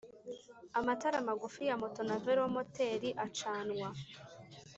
amatara magufi ya moto na velomoteri acanwa